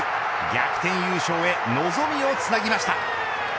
逆転優勝へ望みをつなぎました。